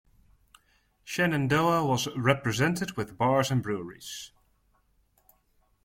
Shenandoah was represented with bars and breweries.